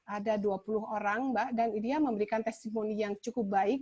ada dua puluh orang mbak dan dia memberikan testimoni yang cukup baik